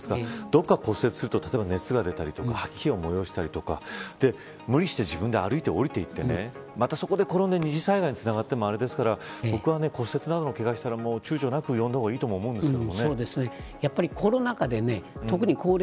どこか骨折すると熱が出たり、吐き気を催したり無理して自分で歩いて下りて転んで二次災害につながってもあれですから僕は骨折などしたらちゅうちょなく呼んだ方がいいそうですね